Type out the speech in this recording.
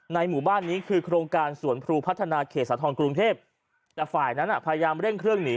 หมู่บ้านนี้คือโครงการสวนพลูพัฒนาเขตสาธรณ์กรุงเทพแต่ฝ่ายนั้นพยายามเร่งเครื่องหนี